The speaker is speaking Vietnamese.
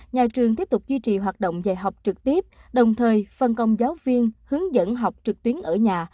nhà trường tiếp tục duy trì hoạt động dạy học trực tiếp đồng thời phân công giáo viên hướng dẫn học trực tuyến ở nhà